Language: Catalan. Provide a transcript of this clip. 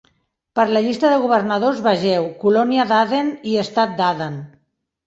Per la llista de governadors, vegeu: colònia d'Aden i estat d'Aden.